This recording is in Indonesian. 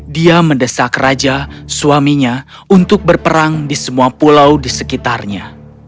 dia mendesak raja suaminya untuk berperang di semua pulau di sekitarnya